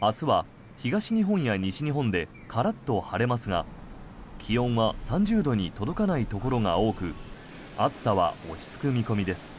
明日は、東日本や西日本でカラッと晴れますが気温は３０度に届かないところが多く暑さは落ち着く見込みです。